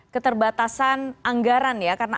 keterbatasan anggaran ya karena